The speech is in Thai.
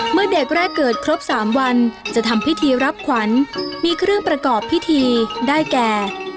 เมื่อเด็กแรกเกิดครบ๓วันจะทำพิธีรับขวัญมีเครื่องประกอบพิธีได้แก่